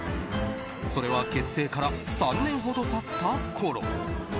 それは結成から３年ほど経ったころ。